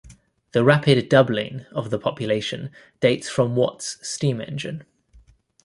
The rapid doubling of the population dates from Watt's steam-engine.